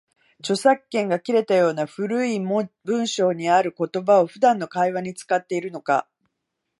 著作権が切れたような古い文章にある言葉を、普段の会話に使っているのか